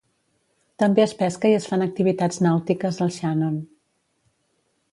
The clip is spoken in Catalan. També es pesca i es fan activitats nàutiques al Shannon.